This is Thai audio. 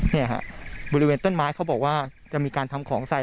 เนี่ยฮะบริเวณต้นไม้เขาบอกว่าจะมีการทำของใส่